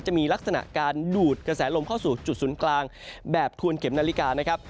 จะมีลักษณะการดูดกระแสลมเข้าสู่จุดศูนย์กลางแบบทวนเข็มนาฬิกานะครับ